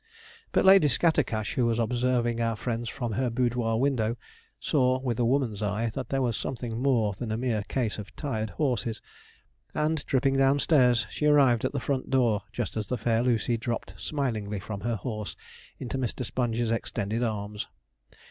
But Lady Scattercash, who was observing our friends from her boudoir window, saw with a woman's eye that there was something more than a mere case of tired horses; and, tripping downstairs, she arrived at the front door just as the fair Lucy dropped smilingly from her horse into Mr. Sponge's extended arms.